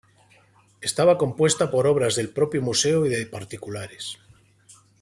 Estaba compuesta por obras del propio Museo y de particulares.